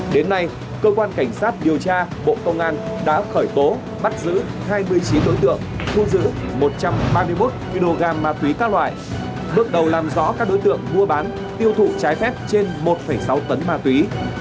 đến nay cơ quan cảnh sát điều tra bộ công an đã khởi tố bắt giữ hai mươi chín đối tượng thu giữ một trăm ba mươi một kg ma túy các loại bước đầu làm rõ các đối tượng mua bán tiêu thụ trái phép trên một sáu tấn ma túy